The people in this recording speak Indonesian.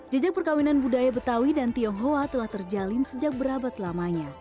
jejak perkawinan budaya betawi dan tionghoa telah terjalin sejak berabad lamanya